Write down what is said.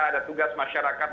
ada tugas masyarakat